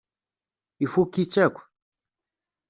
Ifukk-itt akk.